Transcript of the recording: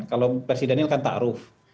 kalau versi daniel kan ta'aruf